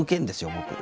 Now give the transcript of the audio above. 僕。